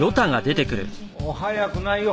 おはやくないよ。